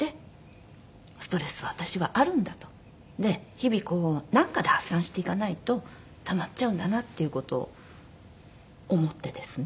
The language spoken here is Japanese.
日々こうなんかで発散していかないとたまっちゃうんだなっていう事を思ってですね